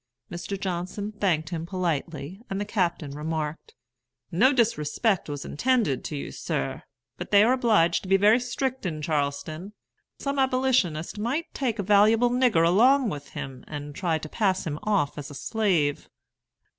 Mr. Johnson thanked him politely, and the captain remarked: "No disrespect was intended to you, sir; but they are obliged to be very strict in Charleston. Some Abolitionist might take a valuable nigger along with him, and try to pass him off as his slave."